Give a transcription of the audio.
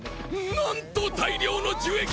なんと大量の樹液！